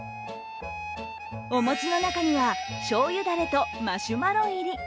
お餅の中には、しょうゆだれとマシュマロ入り。